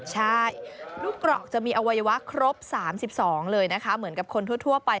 ใช่ลูกกรอกจะมีอวัยวะครบ๓๒เลยนะคะเหมือนกับคนทั่วไป